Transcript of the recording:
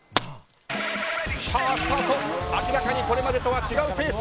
スタート明らかにこれまでとは違うペース